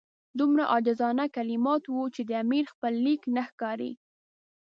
دومره عاجزانه کلمات وو چې د امیر خپل لیک نه ښکاري.